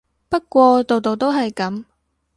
不過度度都係噉